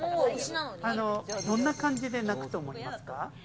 どんな感じで鳴くと思いますか？